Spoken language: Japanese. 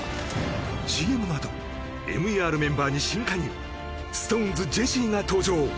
ＣＭのあとＭＥＲメンバーに新加入ＳｉｘＴＯＮＥＳジェシーが登場